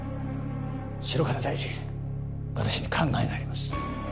白金大臣私に考えがあります